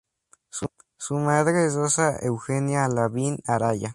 Su madre es Rosa Eugenia Lavín Araya.